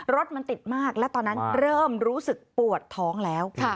รถมันติดมากและตอนนั้นเริ่มรู้สึกปวดท้องแล้ว